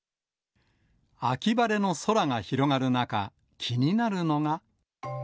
秋晴れの空が広がる中、気になるのが。